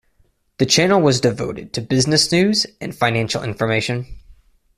The channel was devoted to business news and financial information.